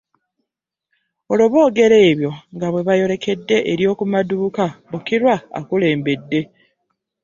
Olwo boogera ebyo nga bwe bayolekedde eryo ku maduuka Bukirwa akulembedde.